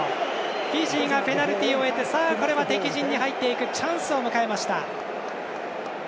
フィジーがペナルティを得てこれは敵陣に入っていくチャンスを迎えました。